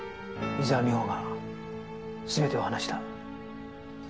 伊沢美穂が全てを話した。